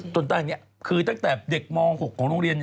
ตั้งนี้คือตั้งแต่เด็กม๖ของโรงเรียน